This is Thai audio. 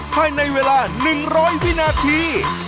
ภายในเวลา๑๐๐วินาที